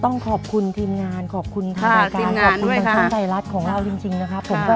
ต้องขอบคุณทีมงานขอบคุณทางรายการขอบคุณบันเทิงไทยรัฐของเราจริงนะครับผม